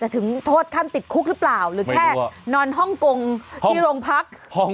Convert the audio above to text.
ถึงโทษคาดติดคุกรึเปล่าหรือแค่นอนห้องกงพี่โรงพัก